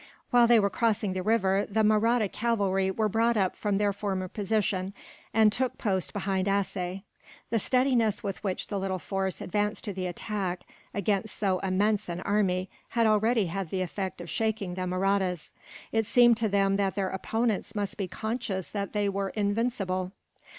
While they were crossing the river, the Mahratta cavalry were brought up from their former position, and took post behind Assaye. The steadiness with which the little force advanced to the attack, against so immense an army, had already had the effect of shaking the Mahrattas. It seemed to them that their opponents must be conscious that they were invincible.